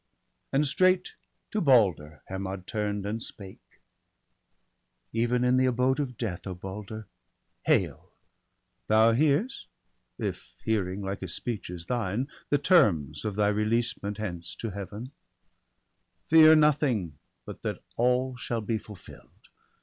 And straight to Balder Hermod turn'd, and spake :—' Even in the abode of death, O Balder, hail ! Thou hear'st, if hearing, like as speech, is thine. The terms of thy releasement hence to Heaven; VOL. I. M i62 BALDER DEAD. Fear nothing but that all shall be fulfill'd.